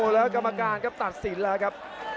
แล้วกรรมการตัดสินแล้วนะครับ